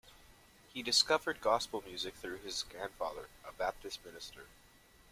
He discovered gospel music through his grandfather, a Baptist minister.